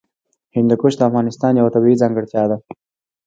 هندوکش د افغانستان یوه طبیعي ځانګړتیا ده.